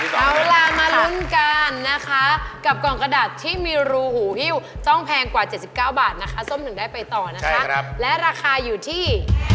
เอาล่ะมาลุ้นกันนะคะกับกล่องกระดาษที่มีรูหูฮิ้วต้องแพงกว่า๗๙บาทนะคะส้มถึงได้ไปต่อนะคะและราคาอยู่ที่